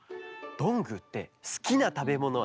どんぐーってすきなたべものはなに？